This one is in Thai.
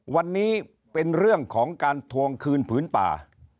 วันนี้เป็นเรื่องของการทวงคืนผืนป่า